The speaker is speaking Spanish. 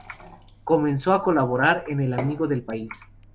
Comenzó a colaborar en "El Amigo del País".